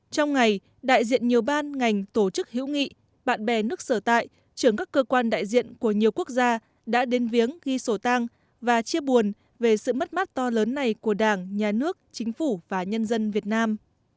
trong ngày đại diện nhiều ban ngành tổ chức hữu nghị bạn bè nước sở tại trường các cơ quan đại diện của nhiều quốc gia đã đến viếng ghi sổ tang và chia buồn về sự mất mát to lớn này của đảng nhà nước chính phủ và nhân dân việt nam